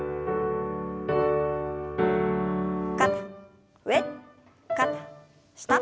肩上肩下。